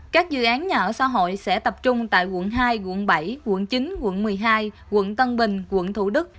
các dự án nhà ở xã hội sẽ tập trung tại quận hai quận bảy quận chín quận một mươi hai quận tân bình quận thủ đức